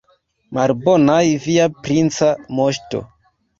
Malbonaj, via princa moŝto!